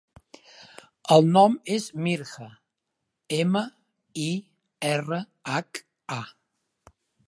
El nom és Mirha: ema, i, erra, hac, a.